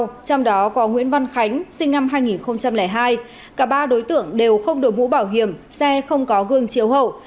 trong đó có nguyễn văn khánh sinh năm hai nghìn hai cả ba đối tượng đều không đổi mũ bảo hiểm xe không có gương chiếu hậu